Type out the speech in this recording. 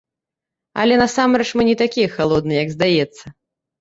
Але насамрэч мы не такія халодныя, як здаецца.